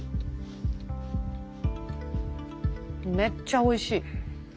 めっちゃおいしい。